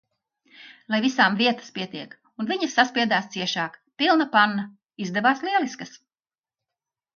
Lai visām vietas pietiek! Un viņas saspiedās ciešāk, pilna panna. Izdevās lieliskas.